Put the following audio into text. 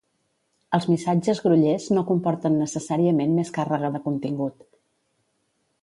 Els missatges grollers no comporten necessàriament més càrrega de contingut.